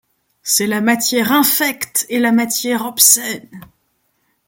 C’est la matière infecte et la matière obscène !